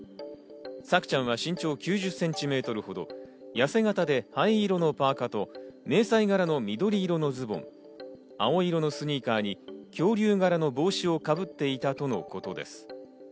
朔ちゃんは身長９０センチほど、やせ形で灰色のパーカと迷彩柄の緑色のズボン、青色のスニーカーに恐竜柄の帽子をかぶっていたということです。